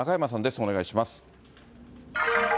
お願いします。